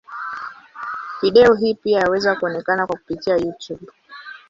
Video hii pia yaweza kuonekana kwa kupitia Youtube.